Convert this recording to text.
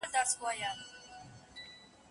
د زمانې له چپاوونو را وتلی چنار